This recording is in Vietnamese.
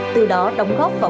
từ đó đóng góp vào